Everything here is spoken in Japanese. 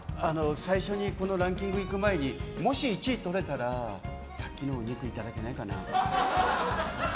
最初にこのランキングにいく前にもし１位とれたらさっきのお肉いただけないかなと。